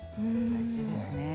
大事ですね。